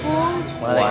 kayaknya mode mulai masuk